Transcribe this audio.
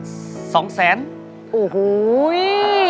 คุณองค์ร้องได้